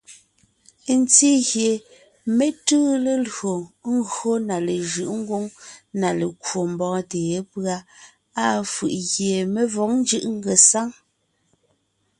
Ntí gie mé tʉʉ lelÿò ńgÿo na lejʉ̌ʼ ngwóŋ na lekwò mbɔ́ɔntè yépʉ́a, á fʉ̀ʼ gie mé vɔ̌g ńjʉ́ʼ ngesáŋ.